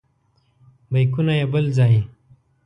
بیکونه یې بل ځای.